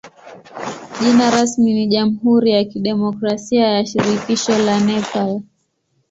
Jina rasmi ni jamhuri ya kidemokrasia ya shirikisho la Nepal.